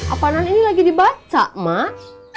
apaanan ini lagi dibaca mah